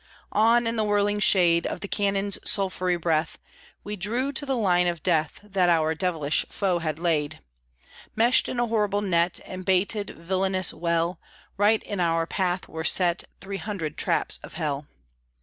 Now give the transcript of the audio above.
On, in the whirling shade Of the cannon's sulphury breath, We drew to the Line of Death That our devilish Foe had laid, Meshed in a horrible net, And baited villainous well, Right in our path were set Three hundred traps of hell!